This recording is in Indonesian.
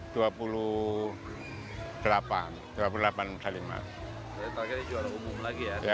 jadi targetnya juara umum lagi ya